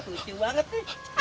lucu banget nih